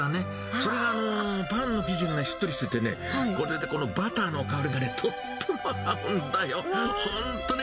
それがもう、パンの生地がしっとりしててね、それでこのバターの香りがとっても合うんだよ。